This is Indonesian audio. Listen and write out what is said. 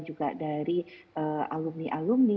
juga dari alumni alumni